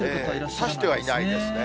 差してはいないですね。